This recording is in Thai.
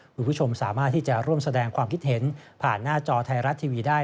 คุณผู้ชมสามารถที่จะร่วมแสดงความคิดเห็นผ่านหน้าจอไทยรัฐทีวีได้